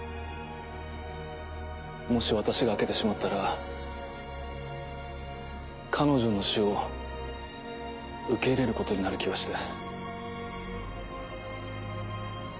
もし私が開けてしまったら彼女の死を受け入れることになる気がして。